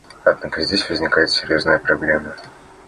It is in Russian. Однако здесь возникает серьезная проблема.